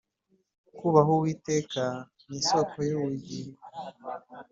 kūbaha uwiteka ni isōko y’ubugingo